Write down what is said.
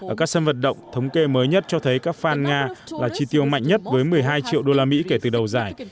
ở các sân vật động thống kê mới nhất cho thấy các fan nga là chi tiêu mạnh nhất với một mươi hai triệu đô la mỹ kể từ đầu giải